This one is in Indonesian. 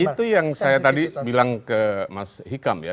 itu yang saya tadi bilang ke mas hikam ya